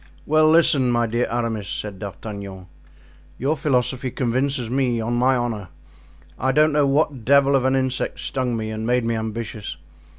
"Well, listen, my dear Aramis," said D'Artagnan; "your philosophy convinces me, on my honor. I don't know what devil of an insect stung me and made me ambitious.